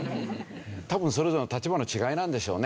多分それぞれの立場の違いなんでしょうね。